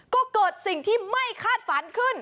ก็เกิดสิ่งที่ไม่คาดฝันขึ้น